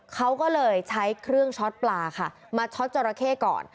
เขาก็เลยใช้เครื่องช็อตปลาค่ะมาช็อตจอราเข้ก่อน